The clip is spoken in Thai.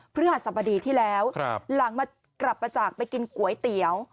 เพื่อสรรพดีที่แล้วหลังกลับมาจากไปกินก๋วยเตี๋ยว